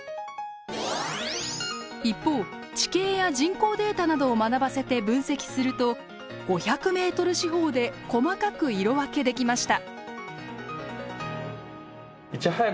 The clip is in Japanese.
一方地形や人口データなどを学ばせて分析すると５００メートル四方で細かく色分けできました。